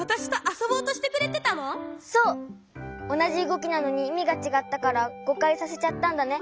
おなじうごきなのにいみがちがったからごかいさせちゃったんだね。